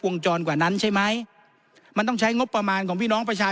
จรกว่านั้นใช่ไหมมันต้องใช้งบประมาณของพี่น้องประชาชน